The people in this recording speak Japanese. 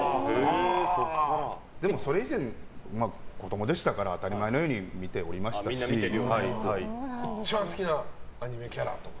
でもそれ以前子供でしたから当たり前のように一番好きなアニメキャラは？